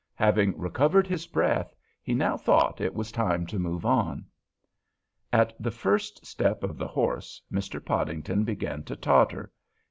Having recovered his breath, he now thought it was time to move on. At the first step of the horse Mr. Podington began to totter.